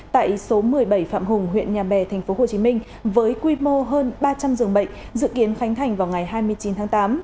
tại số một mươi bảy phạm hùng huyện nhà bè tp hcm với quy mô hơn ba trăm linh giường bệnh dự kiến khánh thành vào ngày hai mươi chín tháng tám